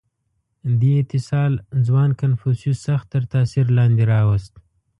• دې اتصال ځوان کنفوسیوس سخت تر تأثیر لاندې راوست.